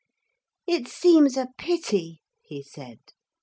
] 'It seems a pity,' he said.